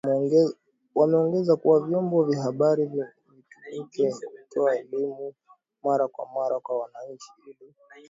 Wameongeza kuwa vyombo vya habari vitumike kutoa elimu mara kwa mara kwa wananchi ili